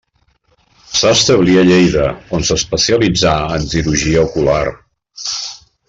S'establí a Lleida, on s’especialitzà en cirurgia ocular.